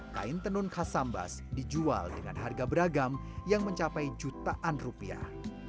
kain tenun khas sambas dijual dengan harga beragam yang mencapai jutaan rupiah